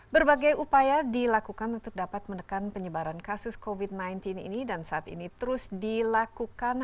berbagai upaya dilakukan untuk dapat menekan penyebaran kasus covid sembilan belas ini dan saat ini terus dilakukan